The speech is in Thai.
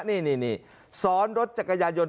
เนี่ยซ้อนรถจักรยายน